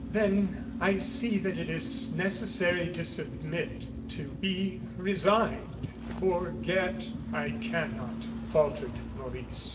"Then I see that it is necessary to submit, to be resigned; forget, I cannot," faltered Maurice.